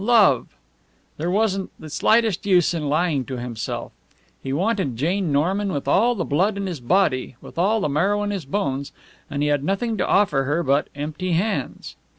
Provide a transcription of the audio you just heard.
Love! There wasn't the slightest use in lying to himself. He wanted Jane Norman with all the blood in his body, with all the marrow in his bones; and he had nothing to offer her but empty hands.